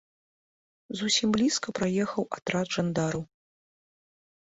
Зусім блізка праехаў атрад жандараў.